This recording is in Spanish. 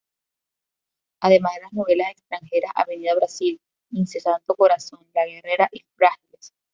Además de las novelas extranjeras "Avenida Brasil', "Insensato corazón"; "La guerrera" y "Frágiles".